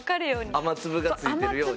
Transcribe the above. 雨粒をついてるように。